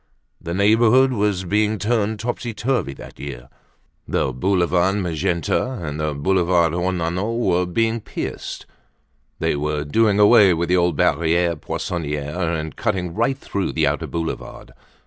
The neighborhood was being turned topsy turvy that year. The Boulevard Magenta and the Boulevard Ornano were being pierced; they were doing away with the old Barriere Poissonniere and cutting right through the outer Boulevard.